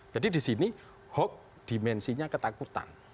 jadi di sini hoax dimensinya ketakutan